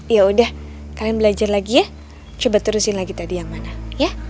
ya udah kalian belajar lagi ya coba terusin lagi tadi yang mana ya